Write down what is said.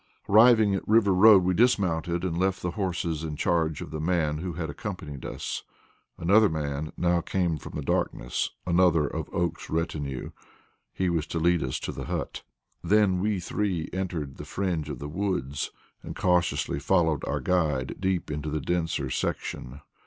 Arriving at River Road, we dismounted and left the horses in charge of the man who had accompanied us. Another man now came from the darkness another of Oakes's retinue. He was to lead us to the hut. Then we three entered the fringe of the woods, and cautiously followed our guide deep into the denser section.